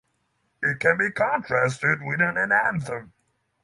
It can be contrasted with an enanthem.